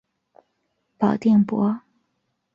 保定伯。